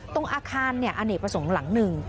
ตรงอาคารอเนกประสงค์หลังหนึ่ง